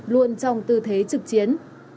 luôn trong tư thế trực chiến